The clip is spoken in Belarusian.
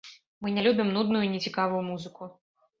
Мы не любім нудную і нецікавую музыку.